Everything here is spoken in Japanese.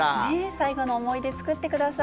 最後の思い出、作ってくださ